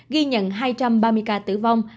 ghi nhận hai trăm ba mươi ca tử vong